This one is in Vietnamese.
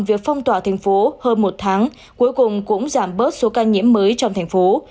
việc phong tỏa thành phố hơn một tháng cuối cùng cũng giảm bớt số ca nhiễm mới trong thành phố